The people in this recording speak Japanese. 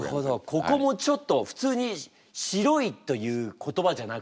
ここもちょっと普通に「白い」という言葉じゃなくてあえて。